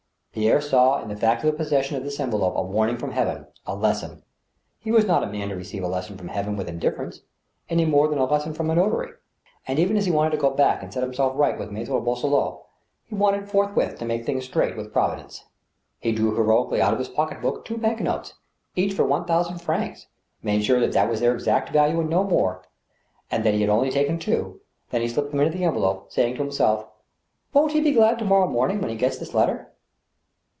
Pierre saw in the fact of the possession of this envelope a warn ing from Heaven — ^a lesson. He was not a man to receive a lesson from Heaven with indifference, any more than a lesson from a notary ; and, even as he wanted to go back and set himself right A MIDNIGHT SUPPER. 35 with Maitre Boisselot, he wanted forthwith to make things straight with Providence. He drew heroically out of his pocket book two bank notes, each for one thousand francs, made sure that that was their exact value and no more, and that he had only taken two, then he slipped them into the envelope, saying to himself : "Won't he be glad to morrow morning, when he gets this letter